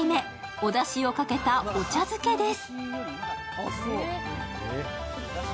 おだしをかけたお茶漬けです。